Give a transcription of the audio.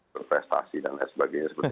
berprestasi dan lain sebagainya